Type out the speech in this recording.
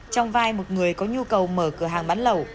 trong vai một người có nhu cầu mở cửa hàng bán lẩu